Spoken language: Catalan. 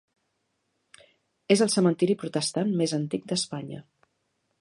És el cementiri protestant més antic d'Espanya.